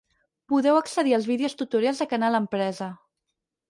Podeu accedir als vídeos tutorials de Canal Empresa.